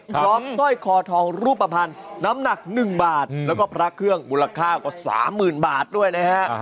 สร้อยคอทองรูปภัณฑ์น้ำหนัก๑บาทแล้วก็พระเครื่องมูลค่ากว่า๓๐๐๐บาทด้วยนะฮะ